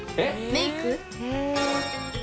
メイク。